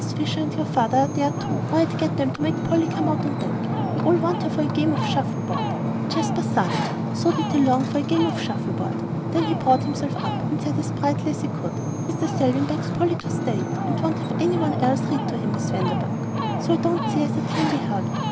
Fisher and your father are there, too, or I'd get them to make Polly come out on deck. We all want her for a game of shuffle board." Jasper sighed. So did he long for a game of shuffle board. Then he brought himself up, and said as brightly as he could: "Mr. Selwyn begs Polly to stay, and won't have any one else read to him, Miss Vanderburgh, so I don't see as it can be helped.